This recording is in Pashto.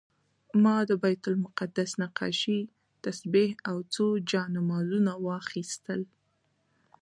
ما د بیت المقدس نقاشي، تسبیح او څو جانمازونه واخیستل.